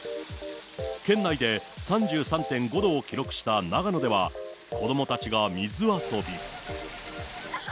県内で３３．５度を記録した長野では、子どもたちが水遊び。